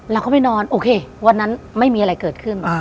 เราก็ไปนอนโอเควันนั้นไม่มีอะไรเกิดขึ้น